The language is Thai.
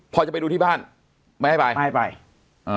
พอจะไปดูที่บ้านไม่ให้ไปไม่ให้ไปอ่า